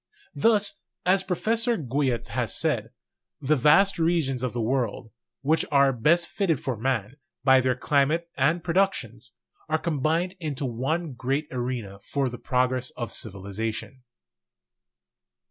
Thus, as Professor Guyot has said, "the vast regions of the world, which are best fitted for man, by their climate and productions, are combined into one great arena for the progress of civilization."